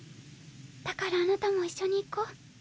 だからあなたも一緒に行こう。